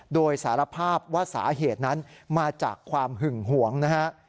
โดยสารภาพว่าสาเหตุนั้นมาจากความหึงหวงนะฮะ